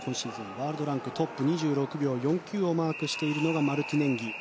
ワールドランクトップ２６秒４９をマークしているのがマルティネンギ。